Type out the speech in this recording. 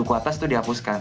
untuk dukwata itu dihapuskan